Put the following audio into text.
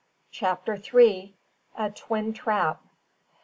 CHAPTER THREE. A TWIN TRAP.